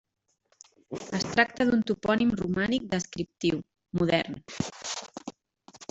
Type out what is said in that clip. Es tracta d'un topònim romànic descriptiu, modern.